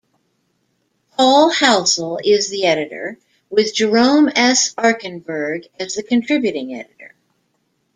Paul Halsall is the editor, with Jerome S. Arkenberg as the contributing editor.